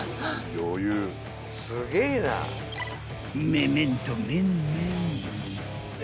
［めめんとめんめん］